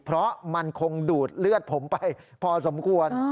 เพราะมันคงดูดเลือดผมไปพอสมควร